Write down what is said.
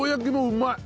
うまい！